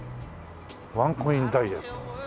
ワンコインダイエット。